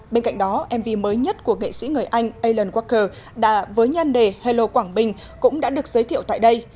bên cạnh đó mv mới nhất của nghệ sĩ người anh alan walker với nhanh đề hello quảng bình cũng đã được giới thiệu tại đây